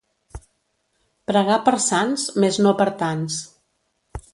Pregar per sants, mes no per tants.